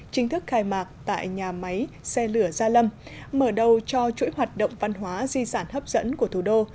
chính thức khai mạc tại nhà máy xe lửa gia lâm mở đầu cho chuỗi hoạt động văn hóa di sản hấp dẫn của thủ đô